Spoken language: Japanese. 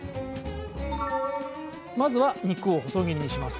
まずは肉を細切りにします。